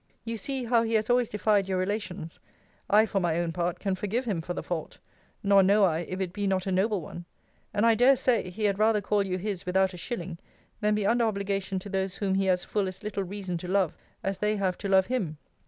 You see how he has always defied your relations: [I, for my own part, can forgive him for the fault: nor know I, if it be not a noble one:] and I dare say, he had rather call you his, without a shilling, than be under obligation to those whom he has full as little reason to love, as they have to love him.